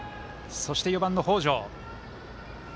そして４番の北條。